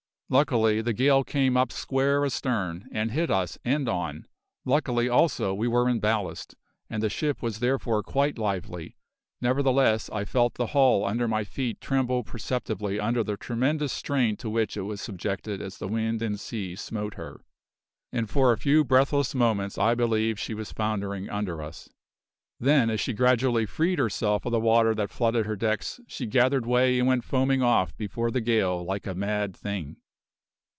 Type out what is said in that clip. Luckily the gale came up square astern, and hit us end on; luckily, also, we were in ballast, and the ship was therefore quite lively; nevertheless I felt the hull under my feet tremble perceptibly under the tremendous strain to which it was subjected as the wind and sea smote her, and for a few breathless moments I believed she was foundering under us. Then, as she gradually freed herself of the water that flooded her decks, she gathered way and went foaming off before the gale like a mad thing.